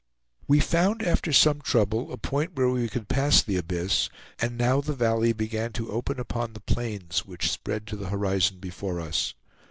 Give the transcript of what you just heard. We found after some trouble a point where we could pass the abyss, and now the valley began to open upon the plains which spread to the horizon before us.